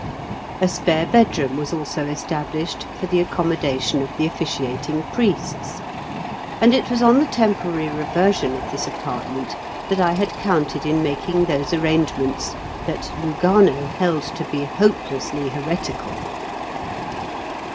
A spare bedroom was also established for the accommodation of the officiating priests, and it was on the temporary reversion of this apartment that I had counted in making those arrangements that Lugano held to be hopelessly heretical.